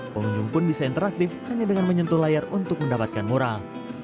pengunjung pun bisa interaktif hanya dengan menyentuh layar untuk mendapatkan mural